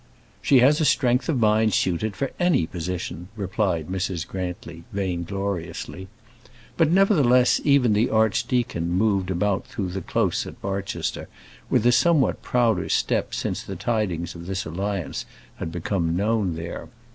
"She has a strength of mind suited for any position," replied Mrs. Grantly, vain gloriously. But nevertheless even the archdeacon moved about through the close at Barchester with a somewhat prouder step since the tidings of this alliance had become known there.